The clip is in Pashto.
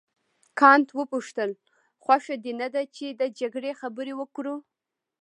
کانت وپوښتل خوښه دې نه ده چې د جګړې خبرې وکړو.